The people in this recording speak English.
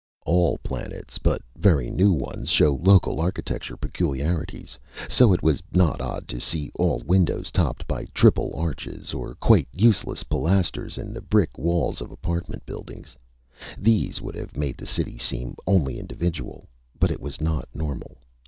All planets, but very new ones, show local architectural peculiarities, so it was not odd to see all windows topped by triple arches, or quite useless pilasters in the brick walls of apartment buildings. These would have made the city seem only individual. But it was not normal.